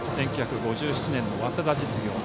１９５７年の早稲田実業。